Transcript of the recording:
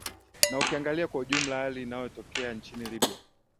na ukiangalia kwa ujumla hali inayotokea nchini libya